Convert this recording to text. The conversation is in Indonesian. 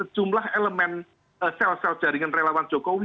jumlah elemen sel sel jaringan relawan jokowi